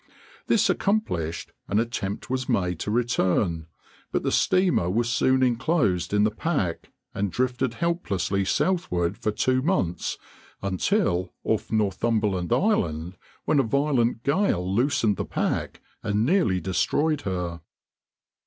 This accomplished, an attempt was made to return, but the steamer was soon inclosed in the pack, and drifted helplessly southward for two months, until off Northumberland Island, when a violent gale loosened the pack and nearly destroyed her.